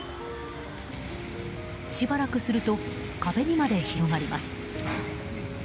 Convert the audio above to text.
しばらくすると壁にまで広がります。